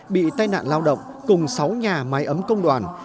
bị tai nạn lao động cùng sáu nhà máy ấm công đoàn